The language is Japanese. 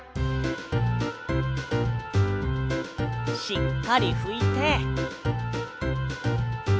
しっかりふいて。